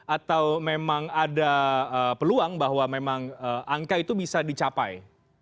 atau memang ada peluang bahwa memang angka itu bisa dicapai